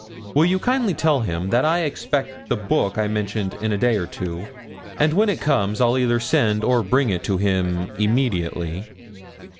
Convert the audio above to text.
Will you kindly tell him, that I expect the book I mentioned in a day or two, and when it comes I'll either send or bring it to him immediately?'